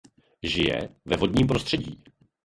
Žije ve vodním prostředí.